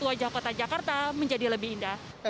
wajah kota jakarta menjadi lebih indah